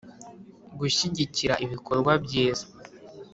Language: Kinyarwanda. gushyigikira ibikorwa byiza